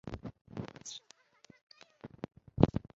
随后他获得美国纽约圣约翰大学的政治科学硕士学位。